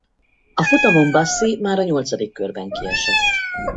A futamon Bassi már a nyolcadik körben kiesett.